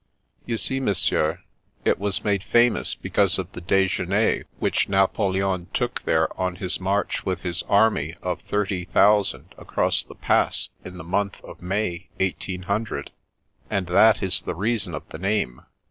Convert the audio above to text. " You see, Monsieur, it was made famous because of the dejeuner which Napoleon took there on his march with his army of 30,000 across the Pass in the month of May, 1800, and that is the reason of the name.